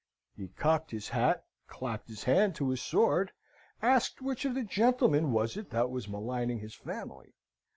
"He cocked his hat, clapped his hand to his sword, asked which of the gentleman was it that was maligning his family?